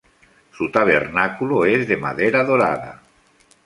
Su tabernáculo es de madera dorada.